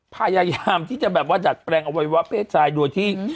พยายามที่จะแบบว่าดัดแปลงอวัยวะเพศชายโดยที่